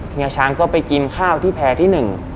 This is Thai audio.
เฮียช้างก็ไปกินข้าวที่แพร่ที่หนึ่ง